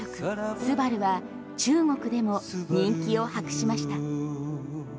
「昴」は中国でも人気を博しました。